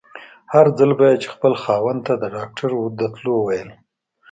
هر ځل به يې چې خپل خاوند ته د ډاکټر د تلو ويل.